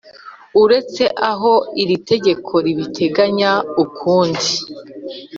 uretse aho iri tegeko ribiteganya ukundi